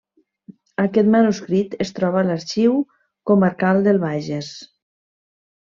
Aquest manuscrit es troba a l'Arxiu Comarcal del Bages.